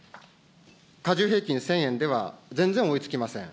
加重平均１０００円では全然追いつきません。